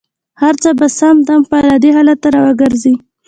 هر څه به سم دم خپل عادي حالت ته را وګرځي.